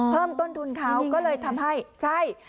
เพิ่มต้นทุนเขาก็เลยทำให้ใช่